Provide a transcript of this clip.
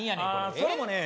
あそれもね